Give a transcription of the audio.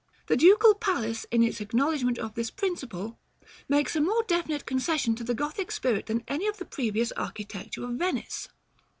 The Ducal Palace, in its acknowledgment of this principle, makes a more definite concession to the Gothic spirit than any of the previous architecture of Venice.